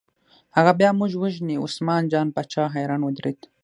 هغه بیا موږ وژني، عثمان جان باچا حیران ودرېد.